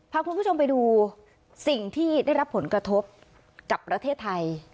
พาคุณผู้ชมไปดูสิ่งที่ได้รับผลกระทบกับประเทศไทย